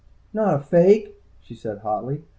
"Not a fake!" she said hotly.